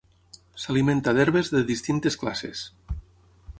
S'alimenta d'herbes de distintes classes.